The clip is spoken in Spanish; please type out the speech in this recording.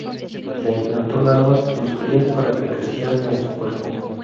Le implantó larvas, sus crías, para que crecieran en su cuerpo.